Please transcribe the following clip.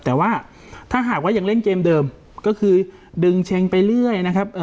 แต่ว่าถ้าหากว่ายังเล่นเกมเดิมก็คือดึงเช็งไปเรื่อยนะครับ